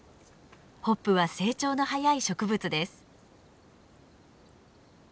ホップは成長の速い植物です。